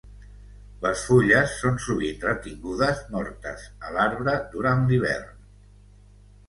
Les fulles són sovint retingudes mortes a l'arbre durant l'hivern.